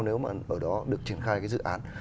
nếu mà ở đó được triển khai cái dự án